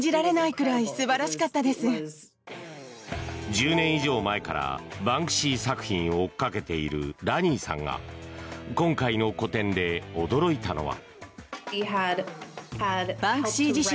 １０年以上前からバンクシー作品を追いかけているラニーさんが今回の個展で驚いたのは。